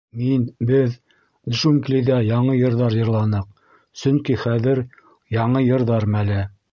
Мин... беҙ джунглиҙа яңы йырҙар йырланыҡ, сөнки хәҙер — яңы йырҙар мәле.